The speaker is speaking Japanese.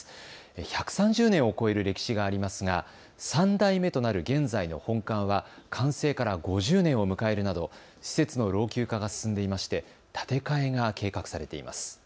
１３０年を超える歴史がありますが３代目となる現在の本館は完成から５０年を迎えるなど施設の老朽化が進んでいまして建て替えが計画されています。